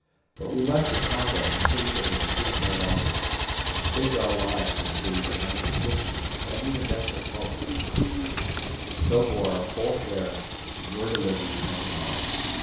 But we left behind us a city that was a city no longer, and staked our lives for a city that had an existence only in desperate hope, and so bore our full share in your deliverance and in ours.